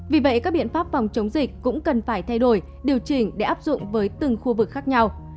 vì vậy các biện pháp phòng chống dịch cũng cần phải thay đổi điều chỉnh để áp dụng với từng khu vực khác nhau